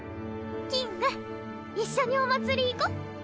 キング一緒にお祭り行こ。